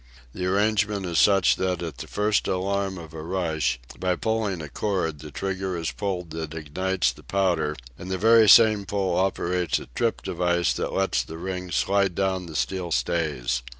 The arrangement is such that at the first alarm of a rush, by pulling a cord the trigger is pulled that ignites the powder, and the very same pull operates a trip device that lets the rings slide down the steel stays.